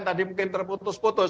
tadi mungkin terputus putus